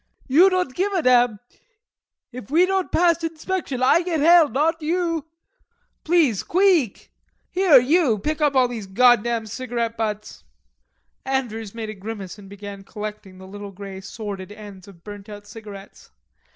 "You don't give a damn. If we don't pass inspection, I get hell not you. Please queeck. Here, you, pick up all those goddam cigarette butts." Andrews made a grimace and began collecting the little grey sordid ends of burnt out cigarettes.